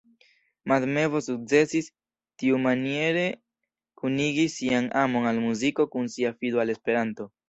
Mad Mevo sukcesis tiumaniere kunigi sian amon al muziko kun sia fido al Esperanto.